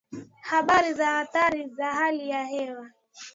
Habari za Athari za Hali ya Hewa